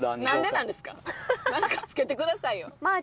何か付けてくださいよ。